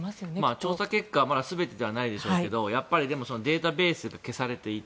調査結果は全てではないでしょうがデータベースが消されていた。